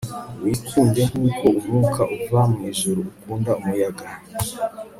Wikunde nkuko umwuka uva mwijuru ukunda umuyaga